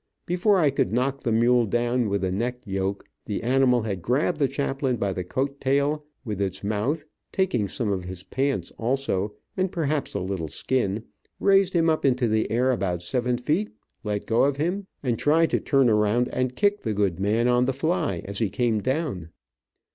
Before I could knock the mule down with a neck yoke, the animal had grabbed the chaplain by the coat tail, with its mouth, taking some of his pants, also, and perhaps a little skin, raised him up into the air, about seven feet, let go of him, and tried to turn around and kick the good man on the fly as he came down.